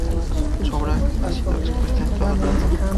Su obra ha sido expuesta en todo el mundo.